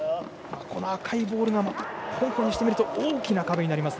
赤いボールが香港にしてみると大きな壁になります。